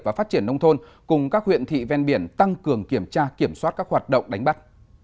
và phát triển nông thôn cùng các huyện thị ven biển tăng cường kiểm tra kiểm soát các hoạt động đánh bắt